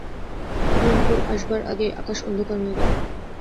হিরণপুর আসবার আগেই আকাশ অন্ধকার হয়ে গেল।